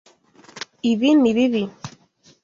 Ibi ni bibi.